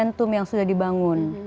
dan membuat komite yang sudah dibangun